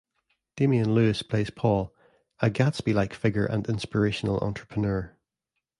Damian Lewis plays Paul, a "Gatsby"-like figure and inspirational entrepreneur.